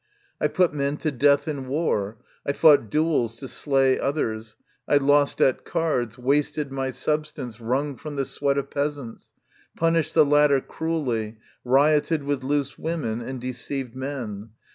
I put men to death in war, I fought duels to slay others, I lost at cards, wasted my substance wrung from the sweat of peasants, punished the latter cruelly, rioted with loose women, and deceived men.